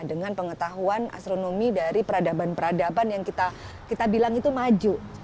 dengan pengetahuan astronomi dari peradaban peradaban yang kita bilang itu maju